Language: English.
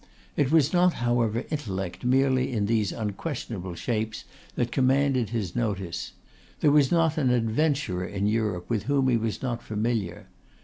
It was not however intellect merely in these unquestionable shapes that commanded his notice. There was not an adventurer in Europe with whom he was not familiar.